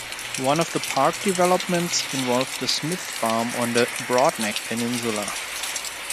One of the park developments involved the Smith Farm on the Broadneck Peninsula.